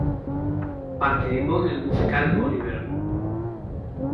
Participó en el musical "Oliver".